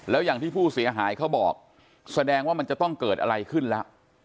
แล้วอย่างที่ผู้เสียหายเขาบอกแสดงว่ามันจะต้องเกิดอะไรขึ้นแล้ว